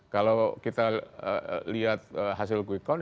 kalau kita lihat hasil kuikon